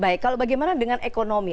baik kalau bagaimana dengan ekonomi